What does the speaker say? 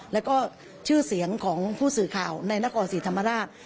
แล้วก็ชื่อเสียงของผู้สื่อข่าวในนครศรีธรรมราช